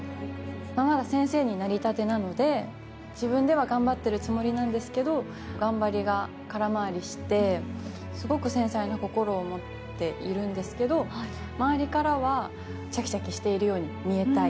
まだ先生になりたてなので、自分では頑張ってるつもりなんですけど、頑張りが空回りして、すごく繊細な心を持っているんですけど周りからは、ちゃきちゃきしているように見えたい。